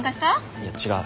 いや違う。